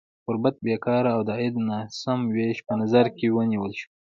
غربت، بېکاري او د عاید ناسم ویش په نظر کې ونیول شول.